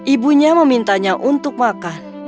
ibunya memintanya untuk makan